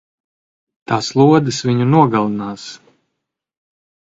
Tās lodes viņu nogalinās!